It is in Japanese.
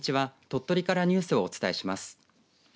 鳥取からニュースをお伝えします。